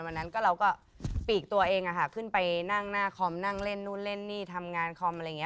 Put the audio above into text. วันนั้นเราก็ปีกตัวเองขึ้นไปนั่งหน้าคอมนั่งเล่นนู่นเล่นนี่ทำงานคอมอะไรอย่างนี้